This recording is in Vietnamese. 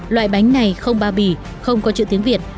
loại bánh này không bao bì không có chữ tiếng việt